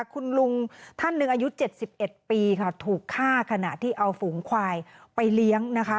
คุณลุงท่านหนึ่งอายุ๗๑ปีค่ะถูกฆ่าขณะที่เอาฝูงควายไปเลี้ยงนะคะ